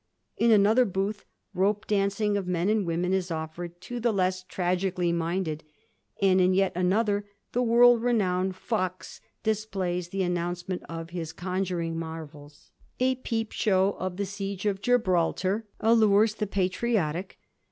In another booth rope dancing of men and women is offered to the lesa tragically minded, and in yet another the world renowned Faux displays the announcement of his con juring maryels. A peep show of the siege of Gibral tar allures the patriotic.